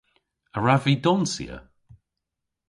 A wrav vy donsya?